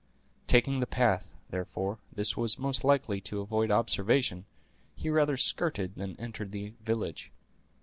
Taking the path, therefore, that was most likely to avoid observation, he rather skirted than entered the village.